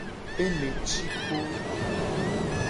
Ele ci kpo.